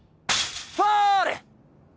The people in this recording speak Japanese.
ファール！